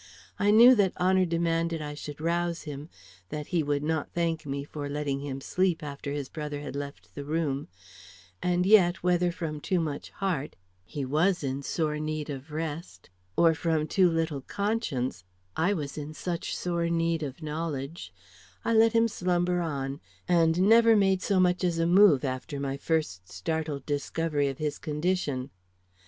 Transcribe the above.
I knew that honor demanded I should rouse him, that he would not thank me for letting him sleep after his brother had left the room; and yet, whether from too much heart he was in such sore need of rest or from too little conscience I was in such sore need of knowledge I let him slumber on, and never made so much as a move after my first startled discovery of his condition.